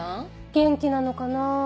元気なのかなぁ？